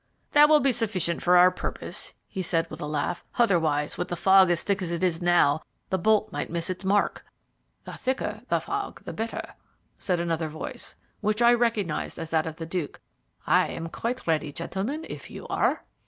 "This will be sufficient for our purpose," he said, with a laugh: "otherwise, with the fog as thick as it is now, the bolt might miss its mark." "The thicker the fog the safer," said another voice, which I recognized as that of the Duke. "I am quite ready, gentlemen, if you are."